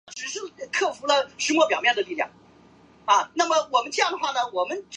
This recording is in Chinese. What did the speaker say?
鬼店是分成三集的恐怖电视迷你影集。